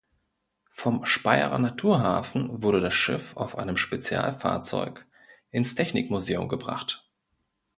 Vom Speyerer Naturhafen wurde das Schiff auf einem Spezialfahrzeug ins Technikmuseum gebracht.